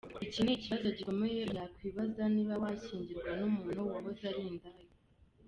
Iki ni ikibazo gikomeye umuntu yakwibaza niba washyingirwa n’umuntu wahoze ari indaya.